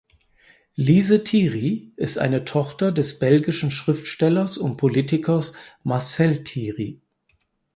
Lise Thiry ist eine Tochter des belgischen Schriftstellers und Politikers Marcel Thiry.